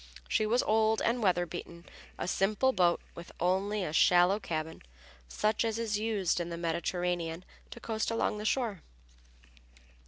She was old and weather beaten, a simple sailboat with only a shallow cabin, such as is used in the Mediterranean to coast along the shore.